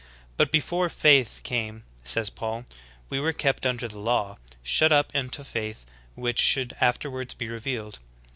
"But before faith came," says Paul, "we v/ere kept under the law, shut up unto the faith which should afterwards be revealed.